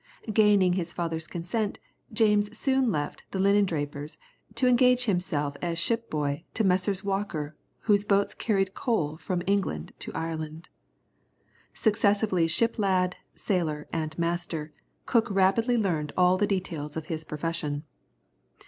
Gaining his father's consent, James soon left the linendraper's, to engage himself as ship boy, to Messrs. Walker, whose boats carried coal from England to Ireland. Successively ship lad, sailor, and master, Cook rapidly learned all the details of his profession.